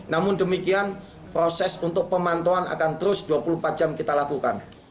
namun demikian proses untuk pemantauan akan terus dua puluh empat jam kita lakukan